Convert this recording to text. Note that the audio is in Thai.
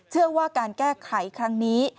เชื่อว่าการแก้ไขครั้งนี้